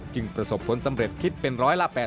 ประสบผลสำเร็จคิดเป็นร้อยละ๘๐